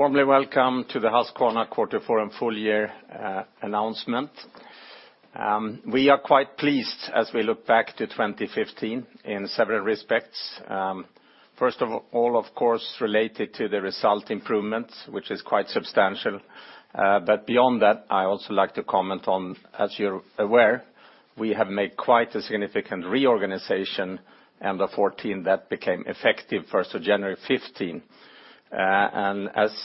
Warmly welcome to the Husqvarna Q4 and Full Year announcement. We are quite pleased as we look back to 2015 in several respects. First of all, of course, related to the result improvements, which is quite substantial. Beyond that, I also like to comment on, as you are aware, we have made quite a significant reorganization, end of 2014, that became effective 1st of January 2015. As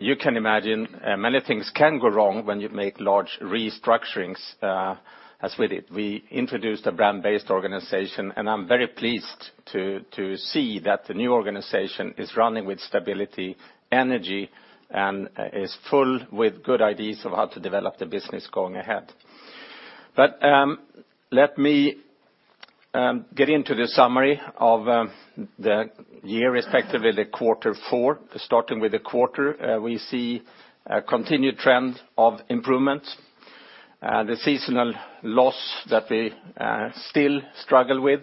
you can imagine, many things can go wrong when you make large restructurings, as we did. We introduced a brand-based organization, and I am very pleased to see that the new organization is running with stability, energy, and is full with good ideas of how to develop the business going ahead. Let me get into the summary of the year, respectively the Q4. Starting with the quarter, we see a continued trend of improvement. The seasonal loss that we still struggle with,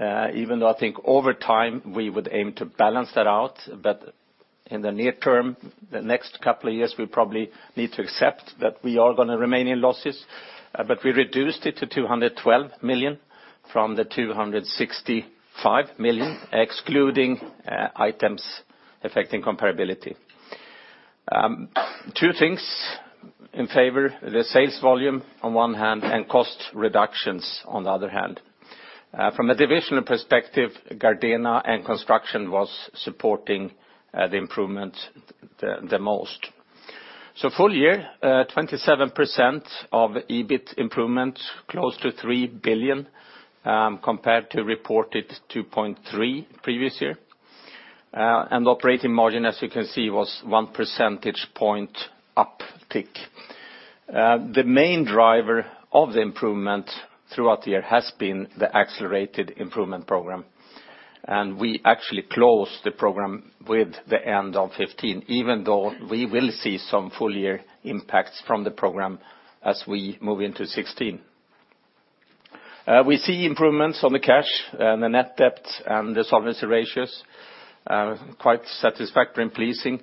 even though I think over time we would aim to balance that out. In the near term, the next couple of years, we probably need to accept that we are going to remain in losses. But we reduced it to 212 million from the 265 million, excluding items affecting comparability. Two things in favor, the sales volume on one hand and cost reductions on the other hand. From a divisional perspective, Gardena and Construction was supporting the improvement the most. So Full Year, 27% of EBIT improvement, close to 3 billion, compared to reported 2.3 billion previous year. Operating margin, as you can see, was one percentage point uptick. The main driver of the improvement throughout the year has been the Accelerated Improvement Program. We actually closed the program with the end of 2015, even though we will see some Full Year impacts from the program as we move into 2016. We see improvements on the cash, the net debt, and the solvency ratios are quite satisfactory and pleasing.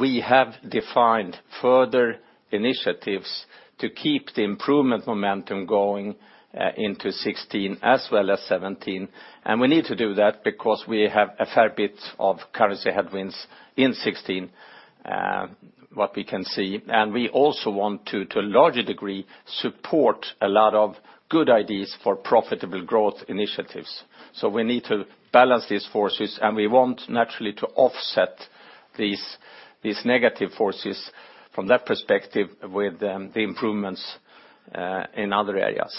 We have defined further initiatives to keep the improvement momentum going into 2016 as well as 2017. We need to do that because we have a fair bit of currency headwinds in 2016, what we can see. We also want to a larger degree, support a lot of good ideas for profitable growth initiatives. So we need to balance these forces, and we want naturally to offset these negative forces from that perspective with the improvements in other areas.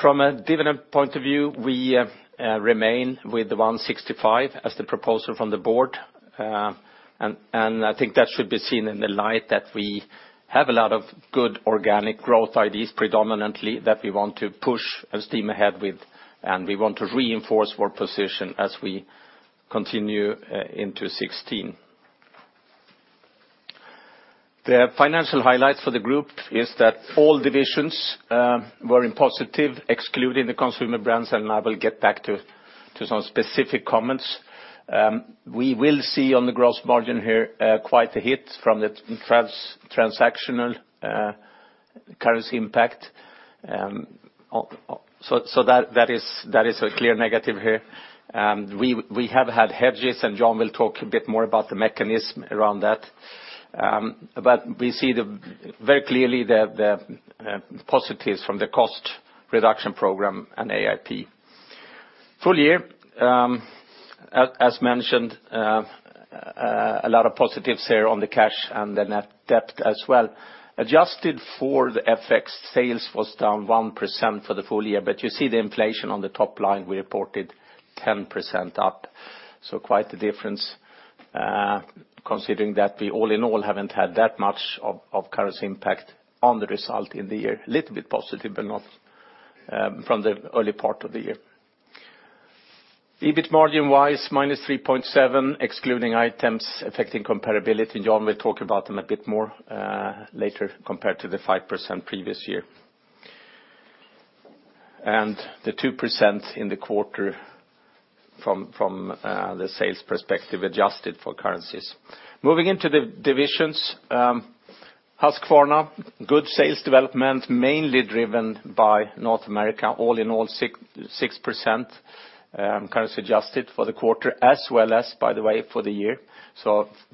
From a dividend point of view, we remain with the 165 as the proposal from the board. I think that should be seen in the light that we have a lot of good organic growth ideas predominantly that we want to push and steam ahead with, and we want to reinforce our position as we continue into 2016. The financial highlights for the group is that all divisions were in positive, excluding the Consumer Brands, and I will get back to some specific comments. We will see on the gross margin here quite a hit from the transactional currency impact. So that is a clear negative here. We have had hedges, and Jan will talk a bit more about the mechanism around that. But we see very clearly the positives from the cost reduction program and AIP. Full Year, as mentioned, a lot of positives here on the cash and the net debt as well. Adjusted for the FX, sales was down 1% for the full year, but you see the inflation on the top line, we reported 10% up. Quite a difference, considering that we all in all haven't had that much of currency impact on the result in the year. Little bit positive, but not from the early part of the year. EBIT margin-wise, -3.7, excluding items affecting comparability. Jan will talk about them a bit more later, compared to the 5% previous year. The 2% in the quarter from the sales perspective, adjusted for currencies. Moving into the divisions. Husqvarna, good sales development, mainly driven by North America, all in all 6% currency adjusted for the quarter, as well as, by the way, for the year.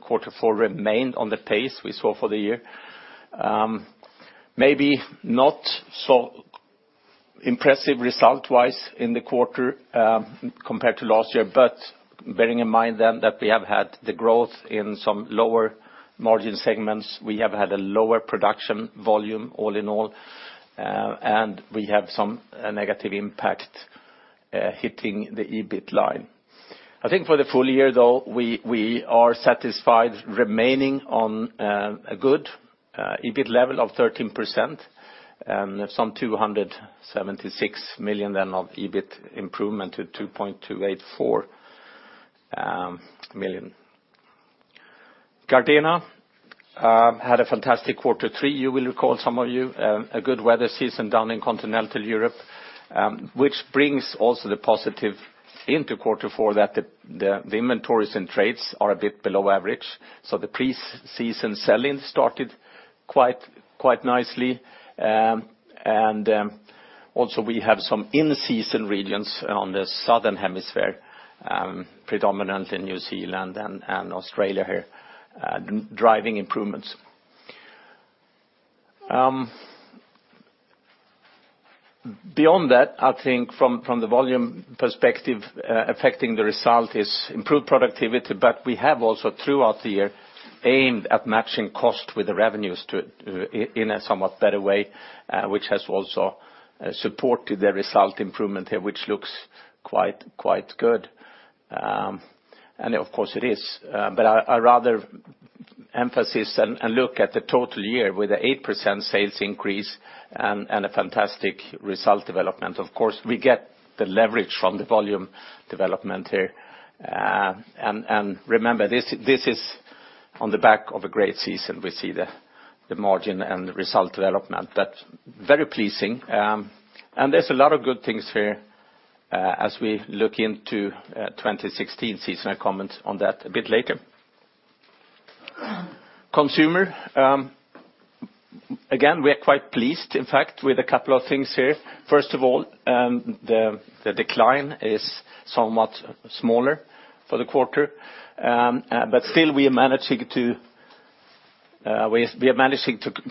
Quarter four remained on the pace we saw for the year. Maybe not so impressive result-wise in the quarter compared to last year, bearing in mind then that we have had the growth in some lower margin segments. We have had a lower production volume all in all, and we have some negative impact hitting the EBIT line. I think for the full year, though, we are satisfied remaining on a good EBIT level of 13%, and some 276 million then of EBIT improvement to 2,284 million. Gardena had a fantastic quarter three, you will recall, some of you. A good weather season down in continental Europe, which brings also the positive into quarter four that the inventories and trades are a bit below average. The pre-season selling started quite nicely. Also we have some in-season regions on the Southern Hemisphere, predominantly New Zealand and Australia here driving improvements. Beyond that, I think from the volume perspective, affecting the result is improved productivity, we have also throughout the year aimed at matching cost with the revenues in a somewhat better way, which has also supported the result improvement here, which looks quite good. Of course it is. I rather emphasis and look at the total year with an 8% sales increase and a fantastic result development. Of course, we get the leverage from the volume development here. Remember, this is on the back of a great season. We see the margin and the result development, very pleasing. There's a lot of good things here as we look into 2016 season. I comment on that a bit later. Consumer. Again, we are quite pleased, in fact, with a couple of things here. First of all, the decline is somewhat smaller for the quarter. Still we are managing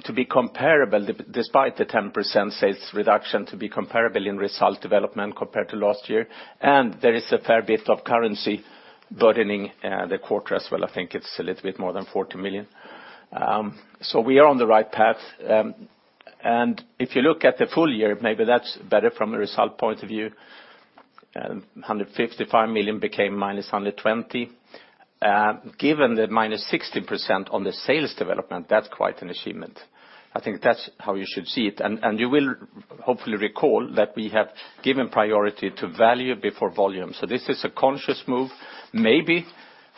to be comparable despite the 10% sales reduction to be comparable in result development compared to last year, there is a fair bit of currency burdening the quarter as well. I think it's a little bit more than 40 million. We are on the right path. If you look at the full year, maybe that's better from a result point of view. 155 million became minus 120. Given the minus 16% on the sales development, that's quite an achievement. I think that's how you should see it, you will hopefully recall that we have given priority to value before volume. This is a conscious move. Maybe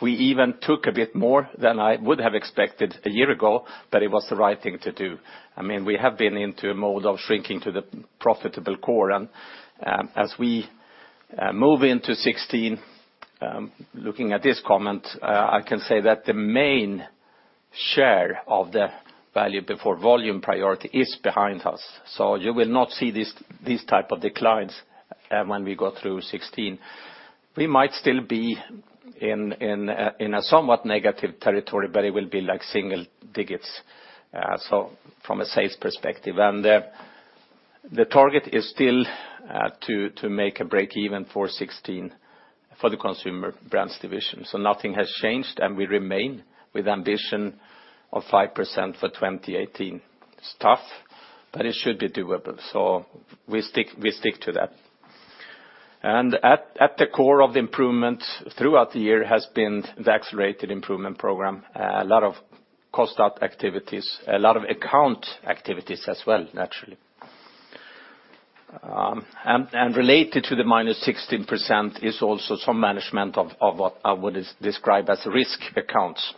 we even took a bit more than I would have expected a year ago, it was the right thing to do. We have been into a mode of shrinking to the profitable core. As we move into 2016, looking at this comment, I can say that the main share of the value before volume priority is behind us. You will not see these type of declines when we go through 2016. We might still be in a somewhat negative territory, but it will be like single digits from a sales perspective. The target is still to make a break even for 2016 for the Consumer Brands division. Nothing has changed, and we remain with ambition of 5% for 2018. It's tough, but it should be doable. We stick to that. At the core of the improvement throughout the year has been the Accelerated Improvement Program. A lot of cost out activities, a lot of account activities as well, naturally. Related to the minus 16% is also some management of what is described as risk accounts.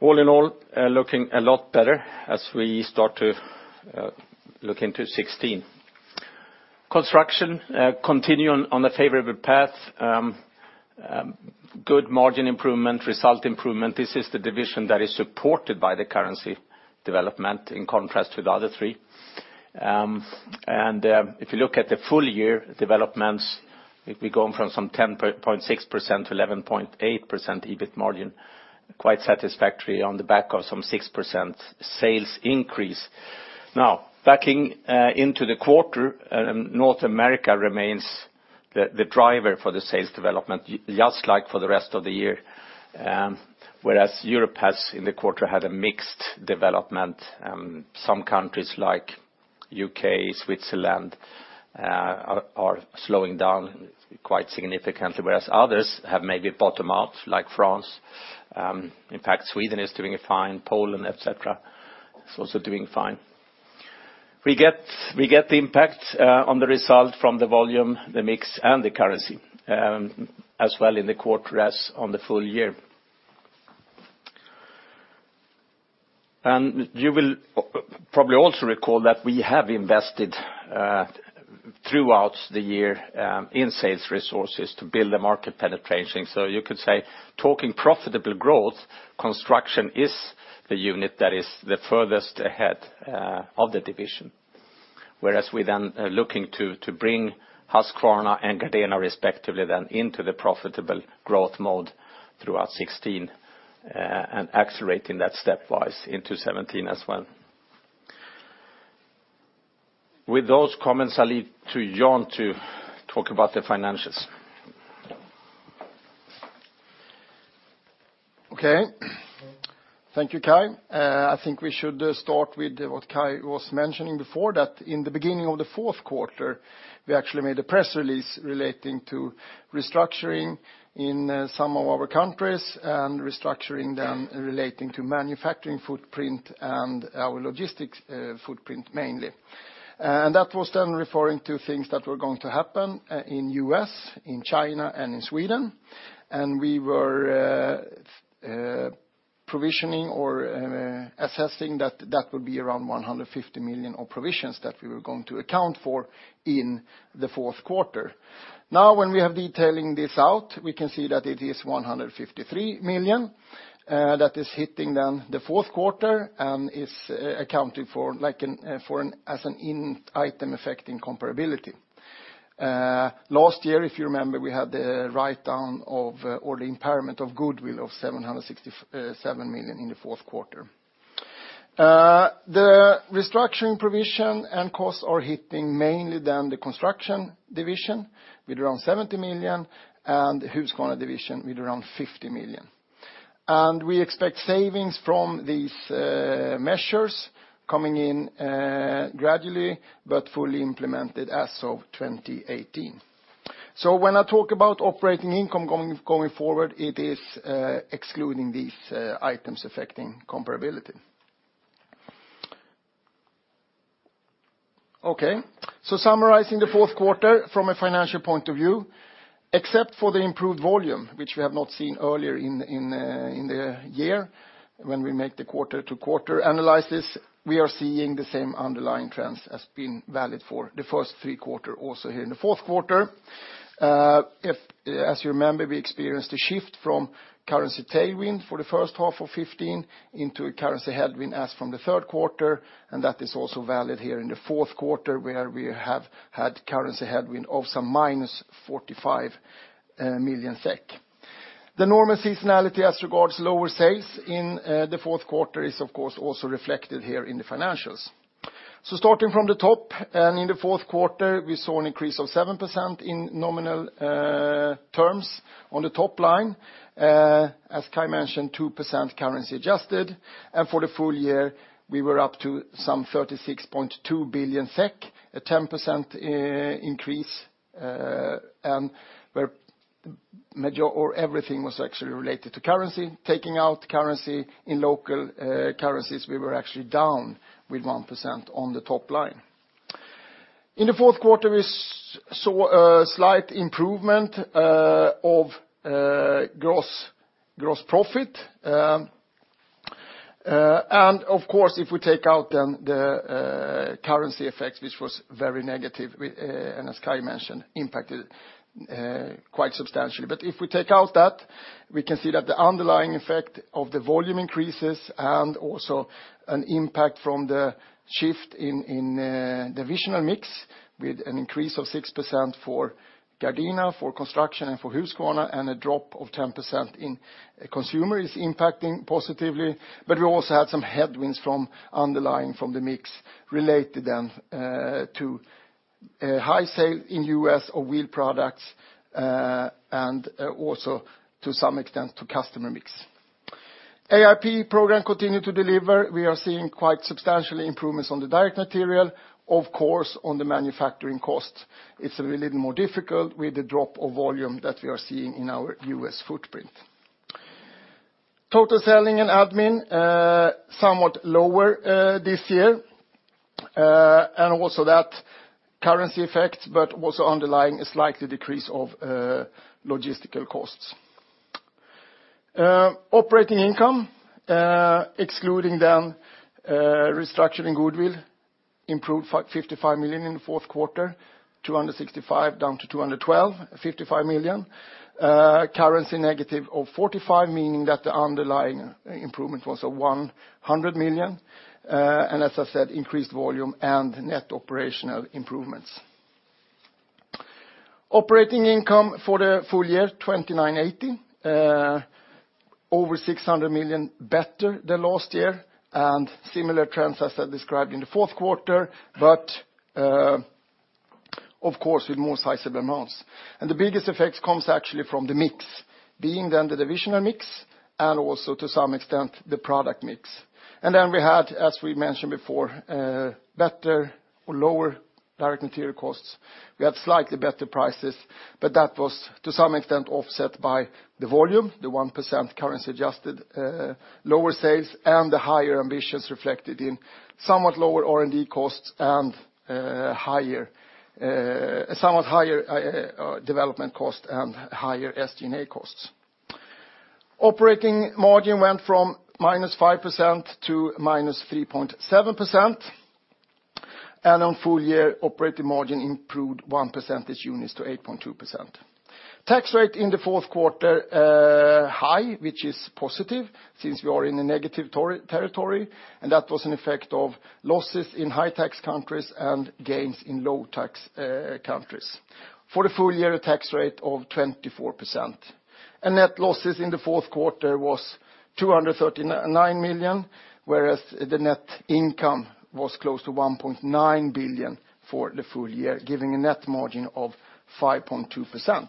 All in all, looking a lot better as we start to look into 2016. Construction continuing on a favorable path. Good margin improvement, result improvement. This is the division that is supported by the currency development in contrast with the other three. If you look at the full year developments, if we're going from some 10.6% to 11.8% EBIT margin, quite satisfactory on the back of some 6% sales increase. Backing into the quarter, North America remains the driver for the sales development, just like for the rest of the year. Whereas Europe has, in the quarter, had a mixed development. Some countries like U.K., Switzerland are slowing down quite significantly, whereas others have maybe bottomed out, like France. In fact, Sweden is doing fine. Poland, et cetera, is also doing fine. We get the impact on the result from the volume, the mix, and the currency, as well in the quarter as on the full year. You will probably also recall that we have invested throughout the year in sales resources to build the market penetration. You could say, talking profitable growth, Construction is the unit that is the furthest ahead of the division. Whereas we then are looking to bring Husqvarna and Gardena respectively then into the profitable growth mode throughout 2016, and accelerating that stepwise into 2017 as well. With those comments, I leave to Jan to talk about the financials. Okay. Thank you, Kai. I think we should start with what Kai was mentioning before, that in the beginning of the fourth quarter, we actually made a press release relating to restructuring in some of our countries, and restructuring them relating to manufacturing footprint and our logistics footprint mainly. That was then referring to things that were going to happen in U.S., in China, and in Sweden. We were provisioning or assessing that that would be around 150 million of provisions that we were going to account for in the fourth quarter. When we have detailing this out, we can see that it is 153 million that is hitting then the fourth quarter and is accounted for as an item affecting comparability. Last year, if you remember, we had the write-down of or the impairment of goodwill of 767 million in the fourth quarter. The restructuring provision and costs are hitting mainly the Construction division with around 70 million, the Husqvarna division with around 50 million. We expect savings from these measures coming in gradually, but fully implemented as of 2018. When I talk about operating income going forward, it is excluding these items affecting comparability. Summarizing the fourth quarter from a financial point of view, except for the improved volume, which we have not seen earlier in the year when we make the quarter-to-quarter analysis, we are seeing the same underlying trends as been valid for the first three quarters, also here in the fourth quarter. As you remember, we experienced a shift from currency tailwind for the first half of 2015 into a currency headwind as from the third quarter, that is also valid here in the fourth quarter, where we have had currency headwind of some minus 45 million SEK. The normal seasonality as regards lower sales in the fourth quarter is, of course, also reflected here in the financials. Starting from the top, in the fourth quarter, we saw an increase of 7% in nominal terms on the top line. As Kai mentioned, 2% currency adjusted, for the full year, we were up to some 36.2 billion SEK, a 10% increase, everything was actually related to currency. Taking out currency in local currencies, we were actually down with 1% on the top line. In the fourth quarter, we saw a slight improvement of gross profit. Of course, if we take out the currency effects, which was very negative, as Kai mentioned, impacted quite substantially. If we take out that, we can see that the underlying effect of the volume increases, an impact from the shift in divisional mix with an increase of 6% for Gardena, for Construction, for Husqvarna, a drop of 10% in Consumer is impacting positively. We also had some headwinds from underlying from the mix related to high sale in U.S. of wheeled products, also to some extent to customer mix. AIP program continued to deliver. We are seeing quite substantial improvements on the direct material. Of course, on the manufacturing cost, it's a little more difficult with the drop of volume that we are seeing in our U.S. footprint. Total selling and admin, somewhat lower this year. Also that currency effect, underlying a slight decrease of logistical costs. Operating income, excluding restructuring goodwill, improved 55 million in the fourth quarter, 265 down to 212, 55 million. Currency negative of 45, meaning that the underlying improvement was 100 million. As I said, increased volume and net operational improvements. Operating income for the full year, 2,980 million. Over 600 million better than last year, similar trends as I described in the fourth quarter, but of course, with more sizable amounts. The biggest effect comes actually from the mix, being the divisional mix and also to some extent the product mix. We had, as we mentioned before, better or lower direct material costs. We had slightly better prices. That was to some extent offset by the volume, the 1% currency adjusted lower sales, and the higher ambitions reflected in somewhat lower R&D costs and somewhat higher development cost and higher SG&A costs. Operating margin went from -5% to -3.7%. On full year, operating margin improved one percentage unit to 8.2%. Tax rate in the fourth quarter, high, which is positive since we are in a negative territory. That was an effect of losses in high-tax countries and gains in low-tax countries. For the full year, a tax rate of 24%. Net losses in the fourth quarter was 239 million, whereas the net income was close to 1.9 billion for the full year, giving a net margin of 5.2%.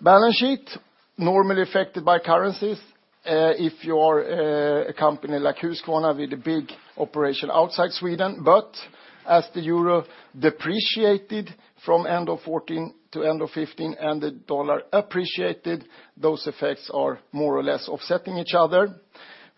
Balance sheet, normally affected by currencies if you are a company like Husqvarna with a big operation outside Sweden. As the euro depreciated from end of 2014 to end of 2015 and the dollar appreciated, those effects are more or less offsetting each other.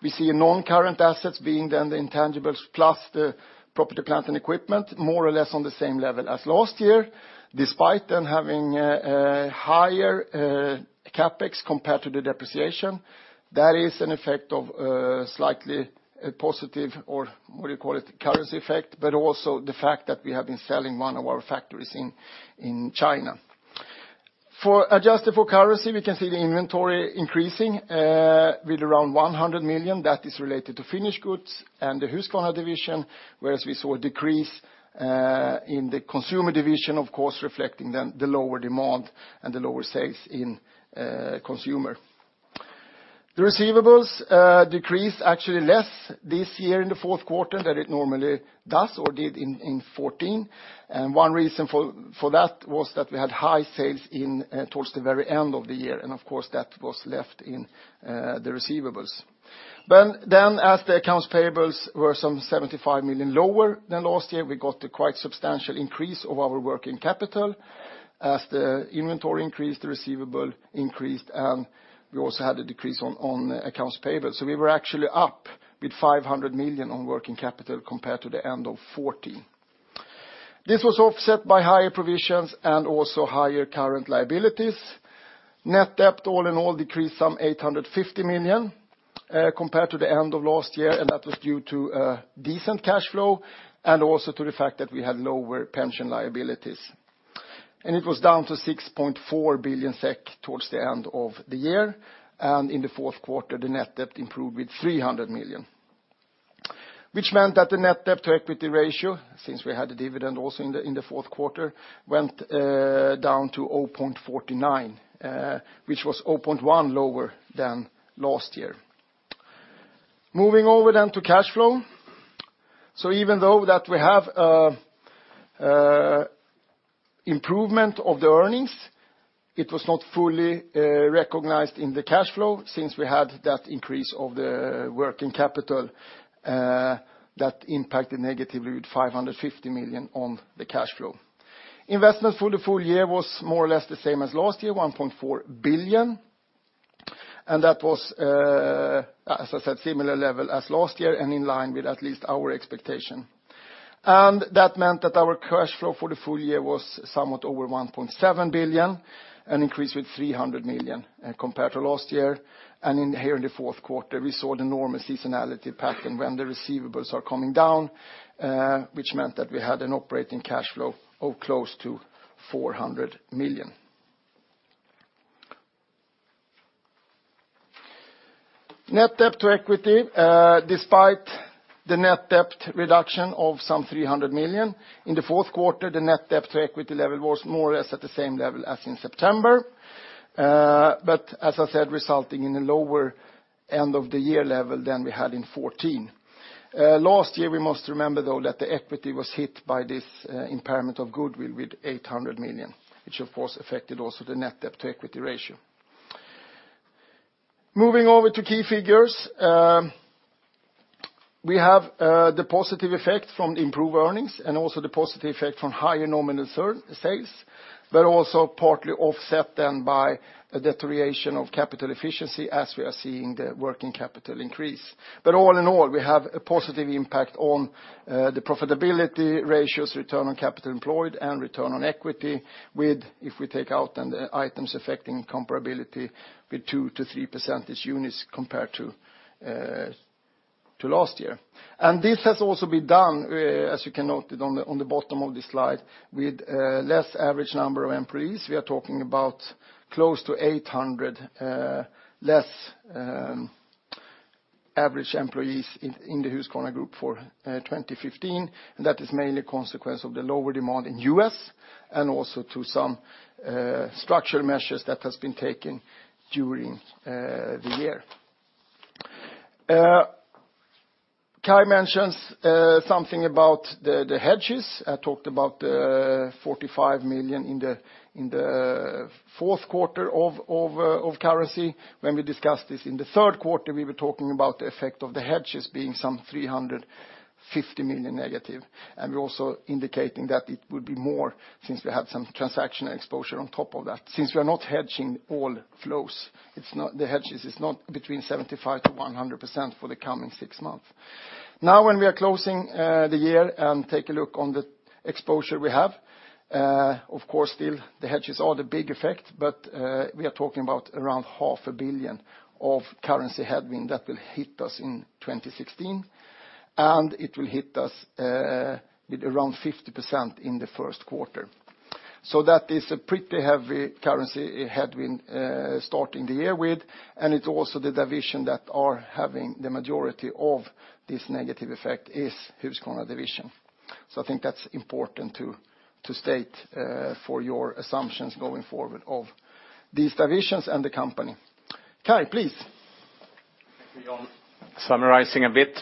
We see non-current assets being then the intangibles plus the property, plant, and equipment, more or less on the same level as last year, despite then having a higher CapEx compared to the depreciation. That is an effect of slightly positive, or what do you call it, currency effect, but also the fact that we have been selling one of our factories in China. Adjusted for currency, we can see the inventory increasing with around 100 million. That is related to finished goods and the Husqvarna division, whereas we saw a decrease in the Consumer division, of course, reflecting then the lower demand and the lower sales in Consumer. The receivables decreased actually less this year in the fourth quarter than it normally does or did in 2014. One reason for that was that we had high sales towards the very end of the year, and of course, that was left in the receivables. As the accounts payables were some 75 million lower than last year, we got a quite substantial increase of our working capital. As the inventory increased, the receivable increased, and we also had a decrease on accounts payable. We were actually up with 500 million on working capital compared to the end of 2014. This was offset by higher provisions and also higher current liabilities. Net debt all in all decreased some 850 million compared to the end of last year. That was due to decent cash flow and also to the fact that we had lower pension liabilities. It was down to 6.4 billion SEK towards the end of the year. In the fourth quarter, the net debt improved with 300 million, which meant that the net debt to equity ratio, since we had a dividend also in the fourth quarter, went down to 0.49, which was 0.1 lower than last year. Moving over then to cash flow. Even though that we have improvement of the earnings, it was not fully recognized in the cash flow since we had that increase of the working capital, that impacted negatively with 550 million on the cash flow. Investments for the full year was more or less the same as last year, 1.4 billion. That was, as I said, similar level as last year and in line with at least our expectation. That meant that our cash flow for the full year was somewhat over 1.7 billion, an increase with 300 million compared to last year. In here in the fourth quarter, we saw the enormous seasonality pattern when the receivables are coming down, which meant that we had an operating cash flow of close to 400 million. Net debt to equity, despite the net debt reduction of some 300 million in the fourth quarter, the net debt to equity level was more or less at the same level as in September. As I said, resulting in a lower end of the year level than we had in 2014. Last year, we must remember though that the equity was hit by this impairment of goodwill with 800 million, which of course affected also the net debt to equity ratio. Moving over to key figures. We have the positive effect from the improved earnings and also the positive effect from higher nominal sales, partly offset then by a deterioration of capital efficiency as we are seeing the working capital increase. All in all, we have a positive impact on the profitability ratios, return on capital employed, and return on equity with, if we take out then the items affecting comparability, with 2%-3% percentage units compared to last year. This has also been done, as you can note it on the bottom of the slide, with less average number of employees. We are talking about close to 800 less average employees in the Husqvarna Group for 2015. That is mainly a consequence of the lower demand in U.S. and also to some structural measures that has been taken during the year. Kai mentions something about the hedges. I talked about the 45 million in the fourth quarter of currency. When we discussed this in the third quarter, we were talking about the effect of the hedges being some 350 million negative. We are also indicating that it would be more since we have some transactional exposure on top of that. Since we are not hedging all flows, the hedges is not between 75%-100% for the coming six months. Now when we are closing the year and take a look on the exposure we have, of course still the hedges are the big effect. We are talking about around half a billion of currency headwind that will hit us in 2016, and it will hit us with around 50% in the first quarter. That is a pretty heavy currency headwind starting the year with. It is also the division that are having the majority of this negative effect is Husqvarna division. I think that is important to state for your assumptions going forward of these divisions and the company. Kai, please. Thank you, Jan. Summarizing a bit.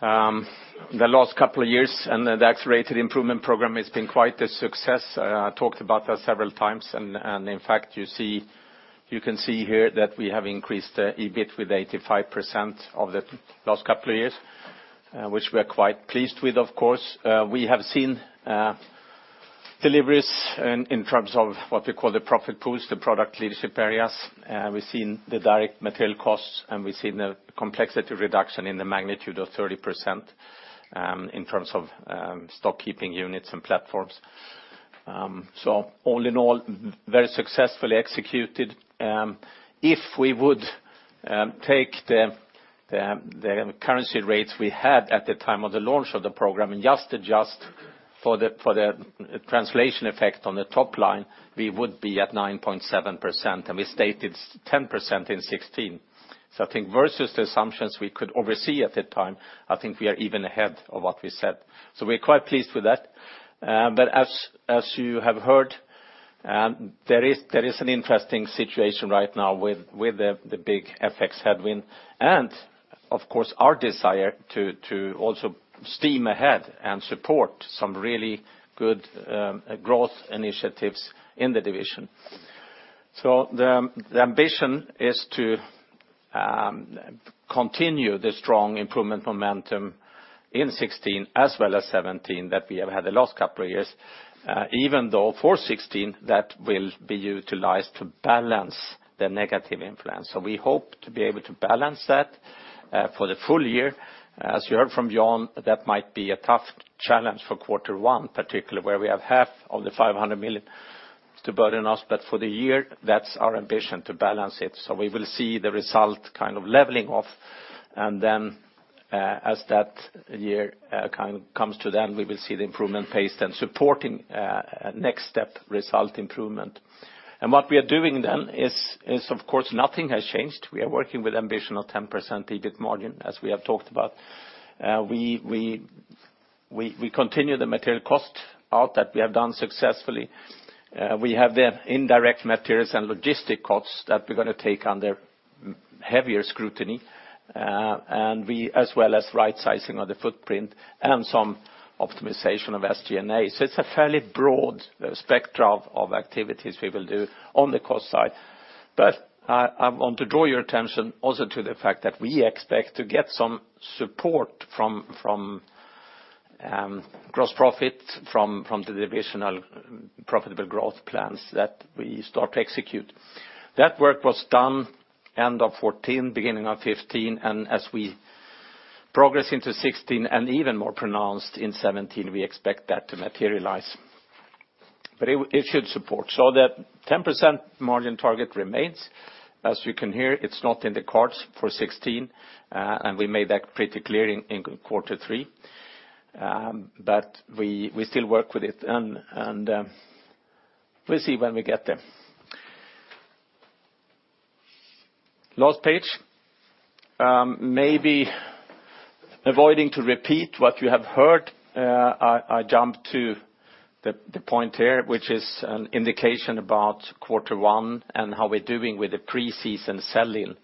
The last couple of years and the Accelerated Improvement Program has been quite a success. I talked about that several times. You can see here that we have increased EBIT with 85% of the last couple of years, which we are quite pleased with, of course. We have seen deliveries in terms of what we call the profit pools, the product leadership areas. We've seen the direct material costs, and we've seen a complexity reduction in the magnitude of 30% in terms of stock keeping units and platforms. All in all, very successfully executed. If we would take the currency rates we had at the time of the launch of the program and just adjust for the translation effect on the top line, we would be at 9.7%, and we stated 10% in 2016. I think versus the assumptions we could oversee at that time, I think we are even ahead of what we said. We're quite pleased with that. As you have heard, there is an interesting situation right now with the big FX headwind, and of course, our desire to also steam ahead and support some really good growth initiatives in the division. The ambition is to continue the strong improvement momentum in 2016 as well as 2017 that we have had the last couple of years, even though for 2016, that will be utilized to balance the negative influence. We hope to be able to balance that for the full year. As you heard from Jan, that might be a tough challenge for Q1, particularly where we have half of the 500 million to burden us. For the year, that's our ambition, to balance it. We will see the result kind of leveling off, and as that year comes to end, we will see the improvement pace then supporting next step result improvement. What we are doing then is, of course, nothing has changed. We are working with ambition of 10% EBIT margin, as we have talked about. We continue the material cost out that we have done successfully. We have the indirect materials and logistic costs that we're going to take under heavier scrutiny, as well as right sizing of the footprint and some optimization of SG&A. It's a fairly broad spectrum of activities we will do on the cost side. I want to draw your attention also to the fact that we expect to get some support from gross profit, from the divisional profitable growth plans that we start to execute. That work was done end of 2014, beginning of 2015, and as we progress into 2016 and even more pronounced in 2017, we expect that to materialize. It should support. That 10% margin target remains. As you can hear, it's not in the cards for 2016, and we made that pretty clear in Q3. We still work with it, and we'll see when we get there. Last page. Maybe avoiding to repeat what you have heard, I jump to the point here, which is an indication about Q1 and how we're doing with the pre-season sell-in.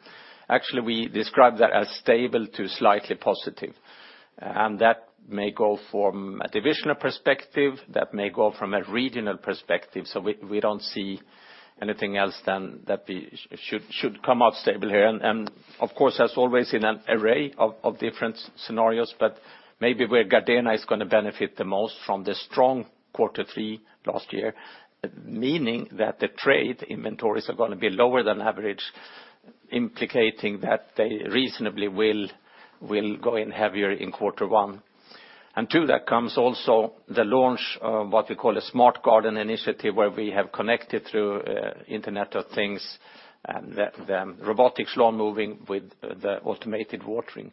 Actually, we describe that as stable to slightly positive, and that may go from a divisional perspective, that may go from a regional perspective. We don't see anything else than that we should come out stable here. As always in an array of different scenarios, but maybe where Gardena is going to benefit the most from the strong Q3 last year, meaning that the trade inventories are going to be lower than average, implicating that they reasonably will go in heavier in Q1. To that comes also the launch of what we call a Smart Garden initiative, where we have connected through Internet of Things, the robotic lawn mowing with the automated watering.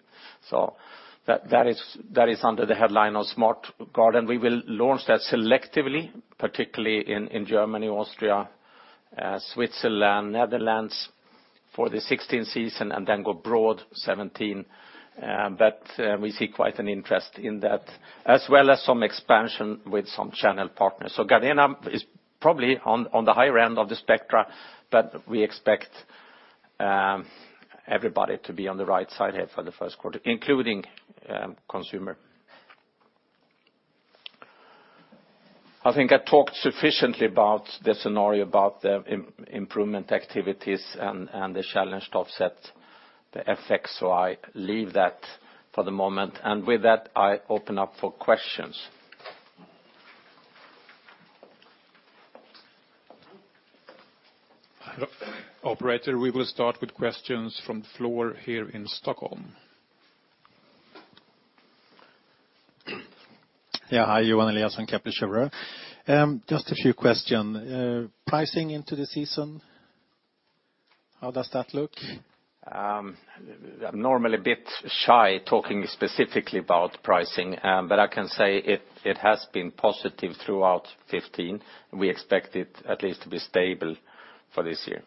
That is under the headline of Smart Garden. We will launch that selectively, particularly in Germany, Austria, Switzerland, Netherlands for the 2016 season, then go broad 2017. We see quite an interest in that, as well as some expansion with some channel partners. Gardena is probably on the higher end of the spectrum, but we expect everybody to be on the right side here for the first quarter, including Consumer Brands. I think I talked sufficiently about the scenario, about the improvement activities and the challenge to offset the FX, so I leave that for the moment. With that, I open up for questions. Operator, we will start with questions from the floor here in Stockholm. Yeah. Hi, Johan Eliason, Kepler Cheuvreux. Just a few question. Pricing into the season, how does that look? I'm normally a bit shy talking specifically about pricing, but I can say it has been positive throughout 2015. We expect it at least to be stable for this year.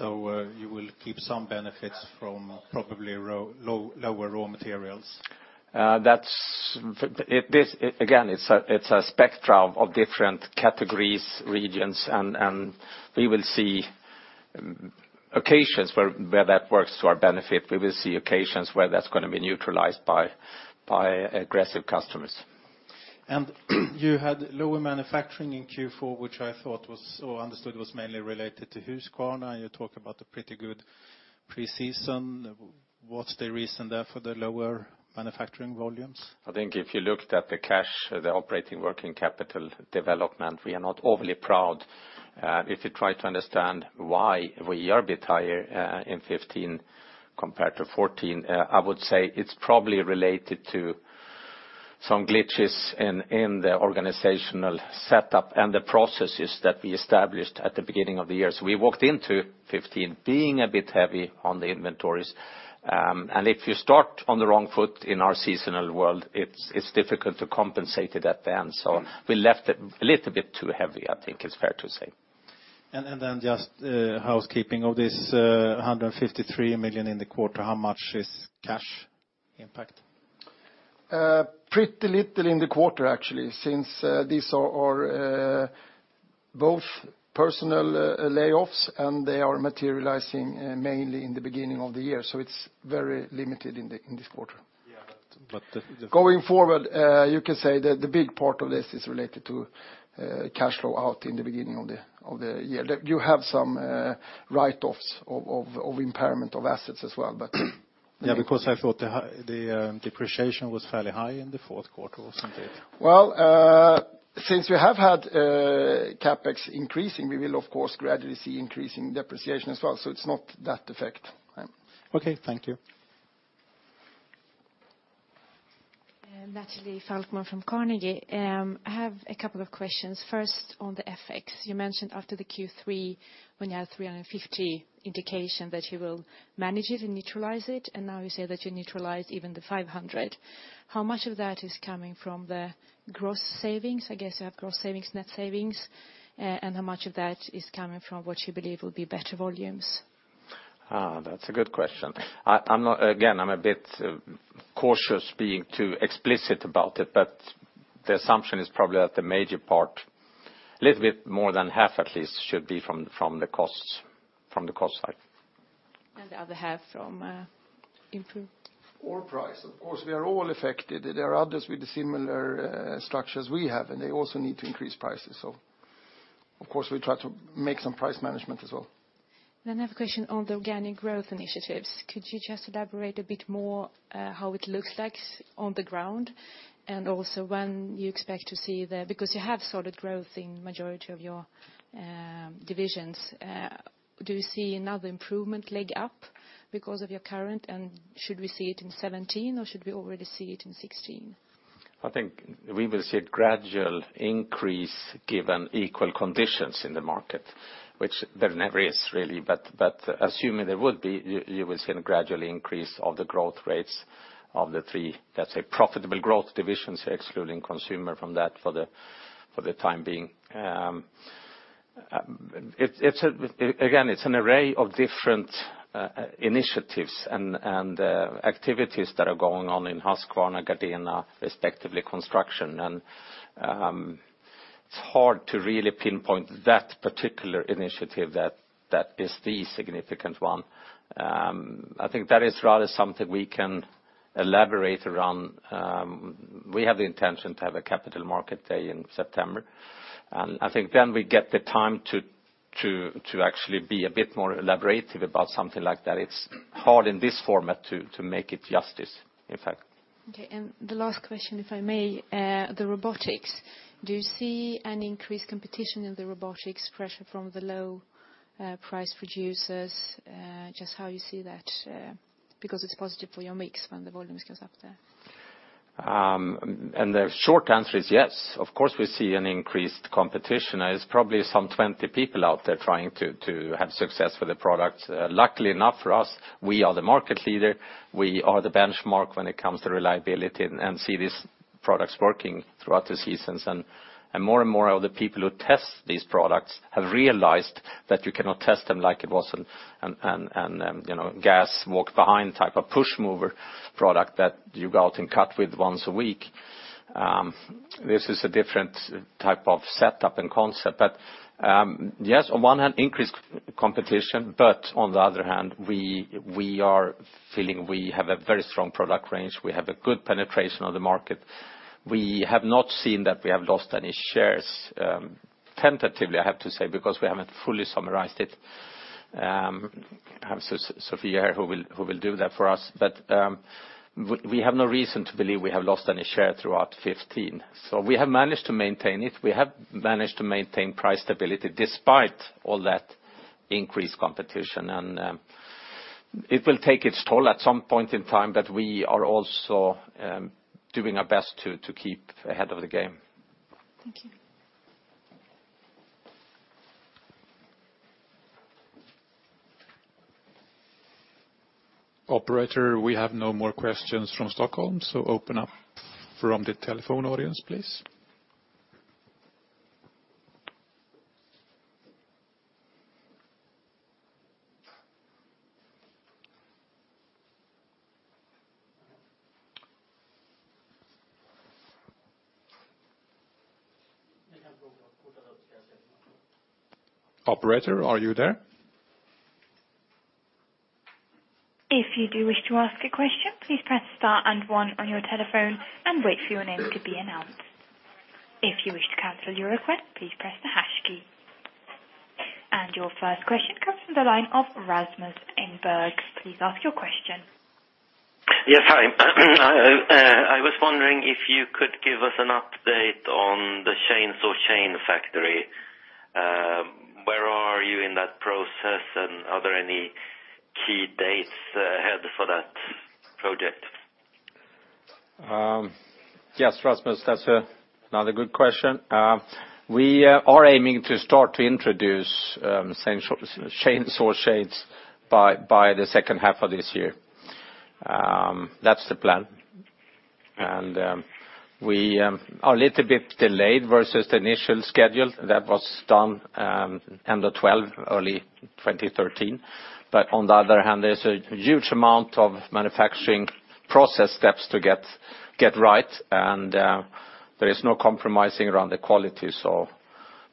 You will keep some benefits from probably lower raw materials? Again, it's a spectrum of different categories, regions. We will see occasions where that works to our benefit. We will see occasions where that's going to be neutralized by aggressive customers. You had lower manufacturing in Q4, which I understood was mainly related to Husqvarna. You talk about the pretty good pre-season. What's the reason there for the lower manufacturing volumes? I think if you looked at the cash, the operating working capital development, we are not overly proud. If you try to understand why we are a bit higher in 2015 compared to 2014, I would say it's probably related to some glitches in the organizational setup and the processes that we established at the beginning of the year. We walked into 2015 being a bit heavy on the inventories. If you start on the wrong foot in our seasonal world, it's difficult to compensate it at the end. We left it a little bit too heavy, I think is fair to say. Just housekeeping of this 153 million in the quarter, how much is cash impact? Pretty little in the quarter, actually, since these are both personal layoffs and they are materializing mainly in the beginning of the year. It is very limited in this quarter. Yeah. Going forward, you can say that the big part of this is related to cash flow out in the beginning of the year. You have some write-offs of impairment of assets as well. Yeah, I thought the depreciation was fairly high in the fourth quarter, wasn't it? Well, since we have had CapEx increasing, we will of course gradually see increasing depreciation as well. It's not that effect. Okay, thank you. Natalie Falkman from Carnegie. I have a couple of questions. First, on the FX. You mentioned after the Q3 when you had 350 indication that you will manage it and neutralize it. Now you say that you neutralize even the 500. How much of that is coming from the gross savings? I guess you have gross savings, net savings. How much of that is coming from what you believe will be better volumes? That's a good question. Again, I'm a bit cautious being too explicit about it, but the assumption is probably that the major part, a little bit more than half at least, should be from the cost side. The other half from improve? Price. Of course, we are all affected. There are others with the similar structures we have, and they also need to increase prices. Of course, we try to make some price management as well. I have a question on the organic growth initiatives. Could you just elaborate a bit more how it looks like on the ground? Also when you expect to see the because you have solid growth in majority of your divisions. Do you see another improvement leg up because of your current? Should we see it in 2017, or should we already see it in 2016? I think we will see a gradual increase given equal conditions in the market, which there never is really. Assuming there would be, you will see a gradual increase of the growth rates of the three, let's say, profitable growth divisions, excluding Consumer Brands from that for the time being. Again, it's an array of different initiatives and activities that are going on in Husqvarna, Gardena, respectively, Construction. It's hard to really pinpoint that particular initiative that is the significant one. I think that is rather something we can elaborate around. We have the intention to have a capital market day in September. I think then we get the time to actually be a bit more elaborative about something like that. It's hard in this format to make it justice, in fact. Okay, the last question, if I may. The robotic lawn mowing. Do you see any increased competition in the robotic lawn mowing pressure from the low price producers? Just how you see that, because it's positive for your mix when the volumes goes up there. The short answer is yes. Of course, we see an increased competition. There's probably some 20 people out there trying to have success with the product. Luckily enough for us, we are the market leader. We are the benchmark when it comes to reliability and see these products working throughout the seasons. More and more of the people who test these products have realized that you cannot test them like it was a gas walk-behind type of push mower product that you go out and cut with once a week. This is a different type of setup and concept. Yes, on one hand, increased competition, but on the other hand, we are feeling we have a very strong product range. We have a good penetration of the market. We have not seen that we have lost any shares. Tentatively, I have to say, because we haven't fully summarized it. I have Sophie here who will do that for us. We have no reason to believe we have lost any share throughout 2015. We have managed to maintain it. We have managed to maintain price stability despite all that increased competition. It will take its toll at some point in time, but we are also doing our best to keep ahead of the game. Thank you. Operator, we have no more questions from Stockholm, so open up from the telephone audience, please. Operator, are you there? If you do wish to ask a question, please press star and one on your telephone and wait for your name to be announced. If you wish to cancel your request, please press the hash key. Your first question comes from the line of Rasmus Engberg. Please ask your question. Yes. Hi. I was wondering if you could give us an update on the chainsaw chain factory. Where are you in that process, and are there any key dates ahead for that project? Yes, Rasmus. That's another good question. We are aiming to start to introduce chainsaw chains by the second half of this year. That's the plan. We are a little bit delayed versus the initial schedule that was done end of 2012, early 2013. On the other hand, there's a huge amount of manufacturing process steps to get right, and there is no compromising around the quality, so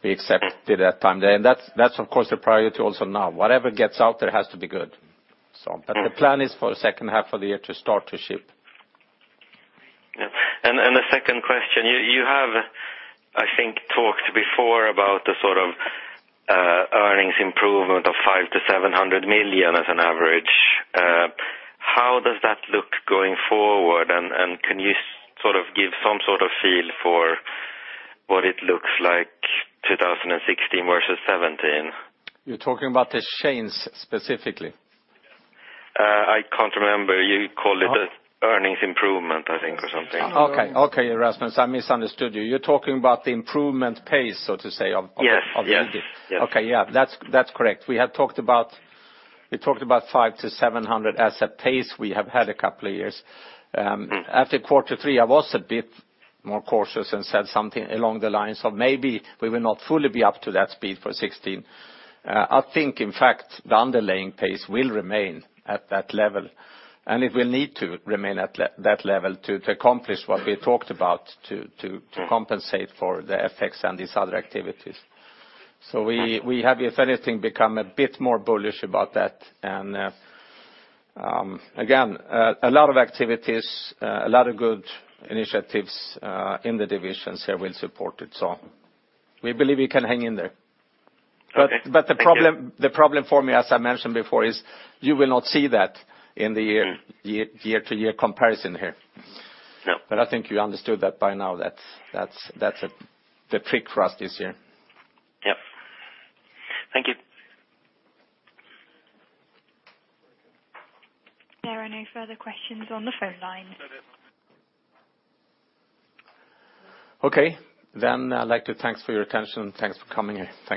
we accepted that time there. That's of course the priority also now. Whatever gets out there has to be good. The plan is for the second half of the year to start to ship. Yeah. The second question. You have, I think, talked before about the earnings improvement of 500 to 700 million as an average. How does that look going forward, and can you give some sort of feel for what it looks like 2016 versus 2017? You're talking about the chains specifically? I can't remember. You called it Oh earnings improvement, I think, or something. Okay. Okay, Rasmus, I misunderstood you. You're talking about the improvement pace, so to say, of- Yes of the. Yes. Okay. Yeah. That's correct. We talked about SEK five-SEK 700 as a pace we have had a couple of years. After quarter three, I was a bit more cautious and said something along the lines of maybe we will not fully be up to that speed for 2016. I think, in fact, the underlying pace will remain at that level, and it will need to remain at that level to accomplish what we talked about to compensate for the FX and these other activities. We have, if anything, become a bit more bullish about that. Again, a lot of activities, a lot of good initiatives in the divisions here will support it, so we believe we can hang in there. Okay. Thank you. The problem for me, as I mentioned before, is you will not see that in the year-to-year comparison here. No. I think you understood that by now, that's the trick for us this year. Yep. Thank you. There are no further questions on the phone line. Okay. I'd like to thank for your attention and thanks for coming here. Thank you.